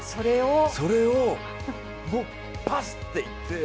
それをもうパスって言って。